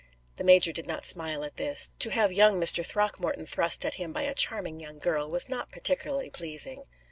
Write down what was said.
The major did not smile at this. To have "young Mr. Throckmorton" thrust at him by a charming young girl was not particularly pleasing.